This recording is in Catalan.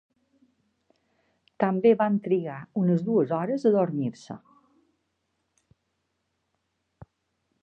També van trigar unes dues hores a adormir-se.